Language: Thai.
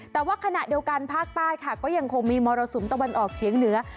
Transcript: แต่ว่าขณะเดียวกันภาคใต้ค่ะก็ยังคงมีมรสุมตะวันออกเฉียงเหนือ